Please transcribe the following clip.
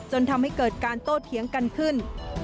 จนทำให้เกิดการโต้เถียงกันขึ้น